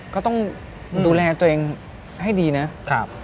ก็ต้องดูแลตัวเองให้ดีนะครับ